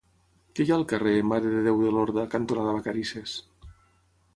Què hi ha al carrer Mare de Déu de Lorda cantonada Vacarisses?